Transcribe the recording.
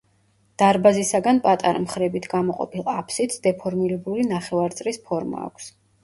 დარბაზისაგან პატარა მხრებით გამოყოფილ აფსიდს დეფორმირებული ნახევარწრის ფორმა აქვს.